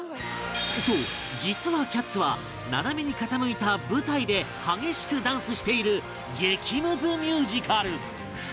そう実は『キャッツ』は斜めに傾いた舞台で激しくダンスしている激ムズミュージカル